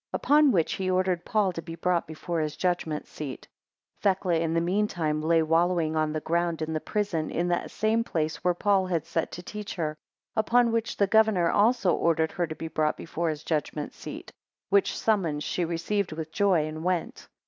4 Upon which he ordered Paul to be brought before his judgment seat. 5 Thecla in the mean time lay wallowing on the ground in the prison, in that same place where Paul had sat to teach her; upon which the governor also ordered her to be brought before his judgment seat; which summons she received with joy, and went.